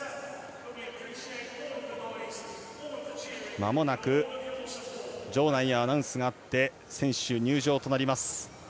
まもなく場内にアナウンスがあって選手入場となります。